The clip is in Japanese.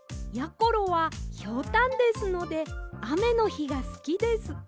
ころはひょうたんですのであめのひがすきです。